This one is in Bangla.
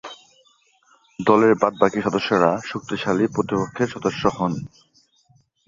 দলের বাদ-বাকী সদস্যরা শক্তিশালী প্রতিপক্ষের সদস্য হন।